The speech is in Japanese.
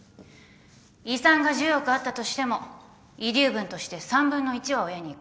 遺産が１０億あったとしても遺留分として３分の１は親にいく。